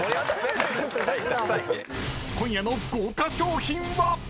［今夜の豪華賞品は⁉］